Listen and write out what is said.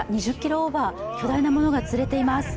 オーバー巨大なものが釣れています。